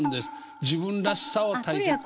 自分らしさを大切に。